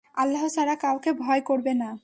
আল্লাহ ছাড়া কাউকে ভয় করবে না।